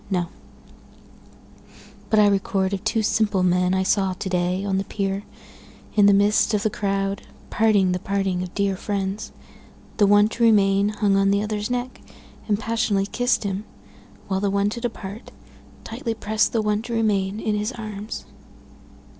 —No; But I record of two simple men I saw to day, on the pier, in the midst of the crowd, parting the parting of dear friends; The one to remain hung on the other's neck, and passionately kiss'd him, While the one to depart, tightly prest the one to remain in his arms.